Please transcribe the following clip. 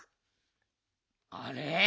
あれ？